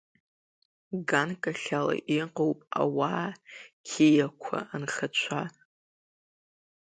Ганкахьала иҟоуп ауаа қьиақәа анхацәа.